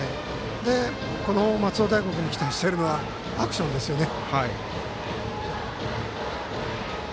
松尾大悟君に期待しているのはアクションですよね。